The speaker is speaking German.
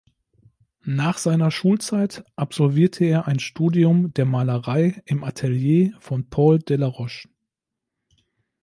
Nach seiner Schulzeit absolvierte er ein Studium der Malerei im Atelier von Paul Delaroche.